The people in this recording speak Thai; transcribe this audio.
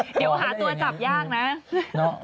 เดี๋ยวหาตัวจับยากนะ